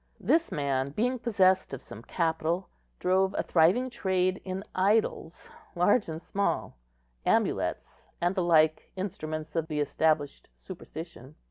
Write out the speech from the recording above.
This man, being possessed of some capital, drove a thriving trade in idols, large and small, amulets, and the like instruments of the established superstition.